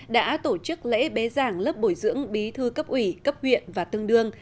đã tổ chức lễ bế giảng lớp bồi dưỡng bí thư cấp ủy cấp huyện và tương đương